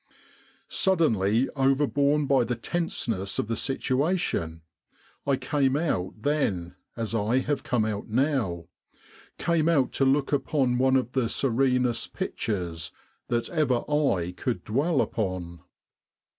Suddenly overborne by the tenseness of the situation, I came out then as I have come out now came out to look upon one of the serenest pictures that ever eye could dwell upon.